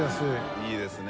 いいですね。